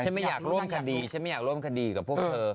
ฉันไม่อยากร่วมคดีกับพวกเธอ